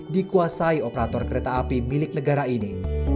dikuasai operator kereta api milik negara ini